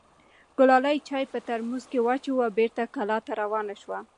ګلالۍ چای په ترموز کې واچوه او بېرته کلا ته روانه شوه.